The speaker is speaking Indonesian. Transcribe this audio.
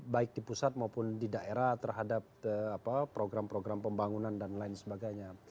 baik di pusat maupun di daerah terhadap program program pembangunan dan lain sebagainya